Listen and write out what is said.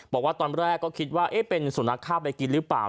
บอกว่าตอนแรกก็คิดว่าเอ๊ะเป็นส่วนละคร้าไปกินรึเปล่า